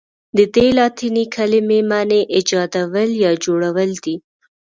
ددې لاتیني کلمې معنی ایجادول یا جوړول دي.